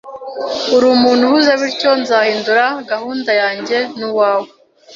Uri umuntu uhuze, bityo nzahindura gahunda yanjye nuwawe.